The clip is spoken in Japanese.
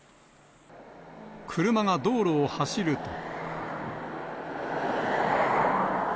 車が道路を走ると。